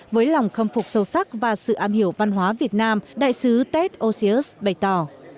với lòng khâm phục sâu sắc và sự am hiểu văn hóa việt nam đại sứ tet osius bày tỏ